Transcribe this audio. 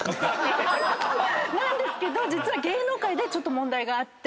なんですけど芸能界でちょっと問題があって。